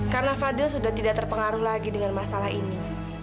karena fadil sudah tidak terpengaruh lagi dengan masalah ini